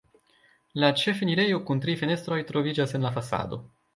La ĉefenirejo kun tri fenestroj troviĝas en la fasado.